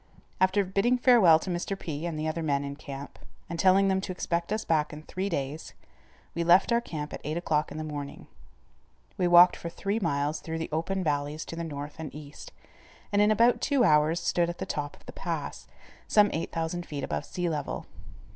After bidding farewell to Mr. P. and the other men in camp, and telling them to expect us back in three days, we left our camp at eight o'clock in the morning. We walked for three miles through the open valleys to the north and east, and in about two hours stood at the top of the pass, some 8000 feet above sea level.